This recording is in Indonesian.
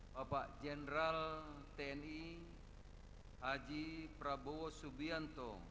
bapak jenderal tni haji prabowo subianto